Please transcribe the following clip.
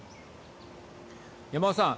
山尾さん。